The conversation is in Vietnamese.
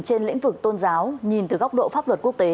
trên lĩnh vực tôn giáo nhìn từ góc độ pháp luật quốc tế